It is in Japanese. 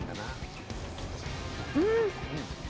うん！